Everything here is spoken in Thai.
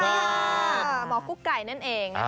สวัสดีค่ะหมอคุกไก่นั่นเอง